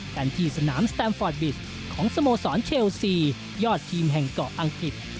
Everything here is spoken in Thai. กันที่สนามสแตมฟอร์ดบิตของสโมสรเชลซียอดทีมแห่งเกาะอังกฤษ